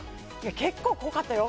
結構濃かったよ